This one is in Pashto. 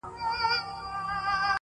ما خو زرې زرې زړهٔ ټول دی درنه